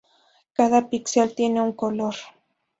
Cada píxel tiene un color.